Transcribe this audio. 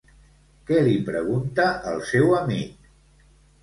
Què li pregunta el seu amic?